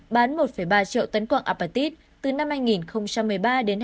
bán một ba triệu tấn quạng apatit từ năm hai nghìn một mươi ba đến hai nghìn một mươi năm